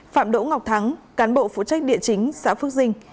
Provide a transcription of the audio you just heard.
phạm đỗ ngọc thắng cán bộ phụ trách địa chính xã phước dinh